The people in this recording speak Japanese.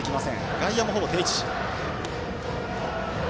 外野も、ほぼ定位置。